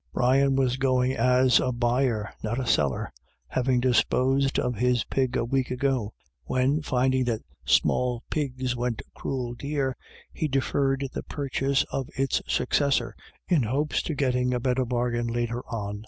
Brian was going as a buyer, not a seller, having disposed of his pig a week ago, when, finding that small pigs went "cruel dear," he deferred the purchase of its successor in hopes to getting a better bargain later on.